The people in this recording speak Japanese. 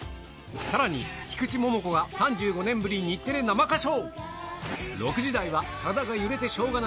さらに、菊池桃子が３５年ぶり日テレ生歌唱。